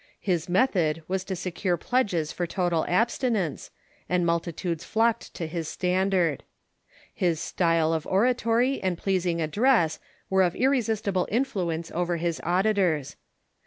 His method was to secure pledges for total abstinence, and multi tudes flocked to his standard. His style of oratory and pleas ing address were of irresistible influence over his auditors.